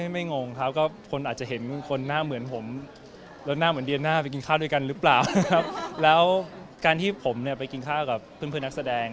ไม่งงครับก็คนอาจจะเห็นคนหน้าเหมือนผมแล้วหน้าเหมือนเดียน่าไปกินข้าวด้วยกันหรือเปล่าครับแล้วการที่ผมเนี่ยไปกินข้าวกับเพื่อนนักแสดง